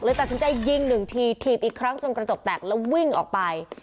ตัดสินใจยิงหนึ่งทีถีบอีกครั้งจนกระจกแตกแล้ววิ่งออกไป